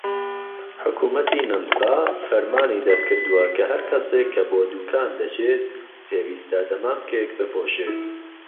حکومەتی نەمسا فەرمانی دەرکردووە کە هەر کەسێک کە بۆ دوکان دەچێت پێویستە دەمامکێک بپۆشێت.